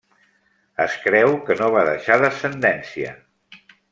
Es creu que no va deixar descendència.